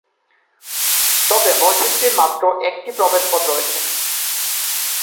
তবে মসজিদটির মাত্র একটি প্রবেশ পথ রয়েছে।